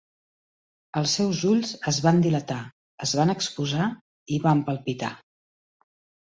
Els seus ulls es van dilatar, es van exposar i van palpitar.